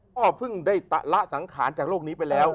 พ่อเพิ่งได้ละสังขารจากโลกนี้ไปแล้ว